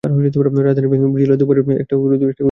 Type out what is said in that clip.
রাজধানীর বছিলা ব্রিজের দুপাশে একটা দুটো করে গাড়ি এসে থেমে আছে।